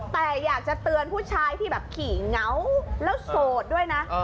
แต่อยากจะเตือนผู้ชายที่แบบขี่เหงาแล้วโสดด้วยนะ